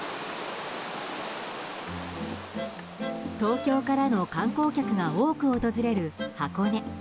東京からの観客が多く訪れる箱根。